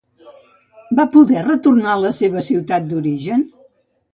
Va poder retornar a la seva ciutat d'origen?